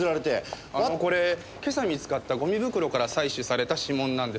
あのこれ今朝見つかったゴミ袋から採取された指紋なんですが。